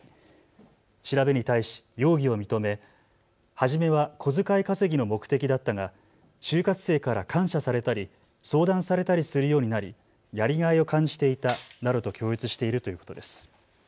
調べに対し容疑を認め初めは小遣い稼ぎの目的だったが就活生から感謝されたり相談されたりするようになりやりがいを感じていたなどと供述しているということです。